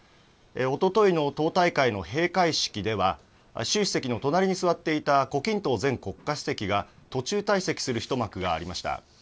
おとといの党大会の閉会式では、習主席の隣に座っていた胡錦涛前国家主席が途中退席する一幕がありました。